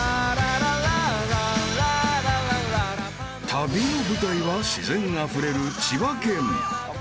［旅の舞台は自然あふれる千葉県］